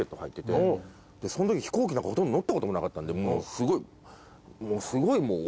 そのとき飛行機なんかほとんど乗ったこともなかったんでもうすごい。